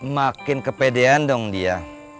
makin kepedean dong dia